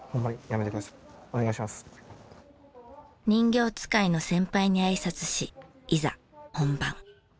人形遣いの先輩にあいさつしいざ本番。